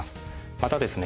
またですね